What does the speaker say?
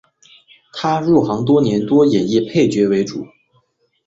他入行多年多演绎配角为主。